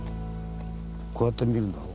こうやって見るんだろ？